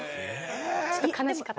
ちょっと悲しかった。